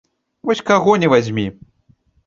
Вось каго ні вазьмі!